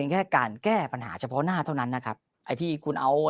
แค่การแก้ปัญหาเฉพาะหน้าเท่านั้นนะครับไอ้ที่คุณเอา